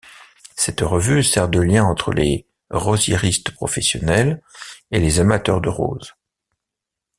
Cette revue sert de lien entre les rosiéristes professionnels et les amateurs de roses.